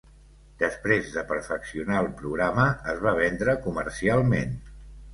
Després de perfeccionar el programa, es va vendre comercialment.